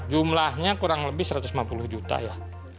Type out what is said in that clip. jumlahnya kurang lebih satu ratus lima puluh juta ya